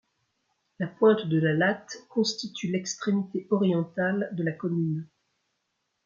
La pointe de la Latte constitue l'extrémité orientale de la commune.